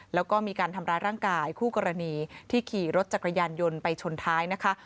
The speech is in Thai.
แล้วก็มีการทำร้ายร่างกายคู่กรณีที่ขี่รถจักรยานยนต์ไปชนท้ายนะคะ